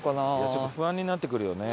ちょっと不安になってくるよね。